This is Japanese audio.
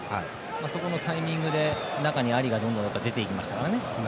そこのタイミングで中にアリが出て行きましたからね。